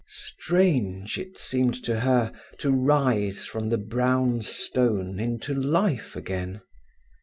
Strange, it seemed to her, to rise from the brown stone into life again.